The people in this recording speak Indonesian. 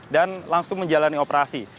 dan langsung menjalani operasi